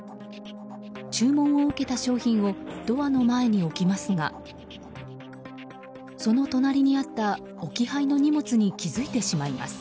注文を受けた商品をドアの前に置きますがその隣にあった置き配の荷物に気付いてしまいます。